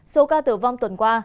số ca tử vong tuần qua